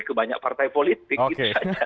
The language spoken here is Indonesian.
ke banyak partai politik